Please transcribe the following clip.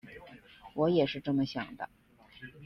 我也是这么想的